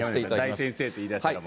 大先生って言い出したら。